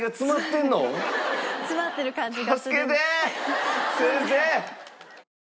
つまってる感じが。